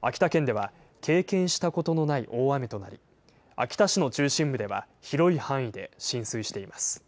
秋田県では、経験したことのない大雨となり、秋田市の中心部では広い範囲で浸水しています。